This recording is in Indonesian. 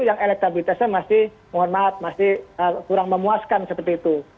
yang elektabilitasnya masih mohon maaf masih kurang memuaskan seperti itu